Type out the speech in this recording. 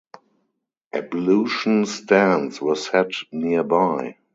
Ablution stands were set nearby.